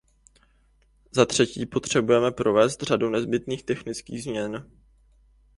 Zatřetí potřebujeme provést řadu nezbytných technických změn.